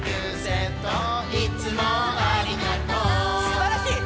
すばらしい！